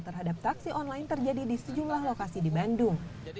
terhadap taksi online terjadi di sejumlah lokasi di bandung